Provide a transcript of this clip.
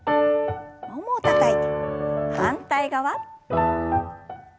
ももをたたいて反対側。